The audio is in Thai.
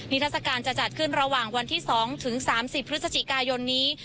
ทัศกาลจะจัดขึ้นระหว่างวันที่๒ถึง๓๐พฤศจิกายนนี้